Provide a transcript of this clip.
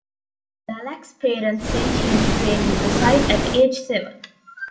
Ballack's parents sent him to train with the side at age seven.